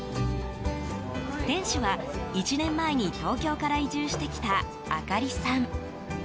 店主は１年前に東京から移住してきた朱里さん。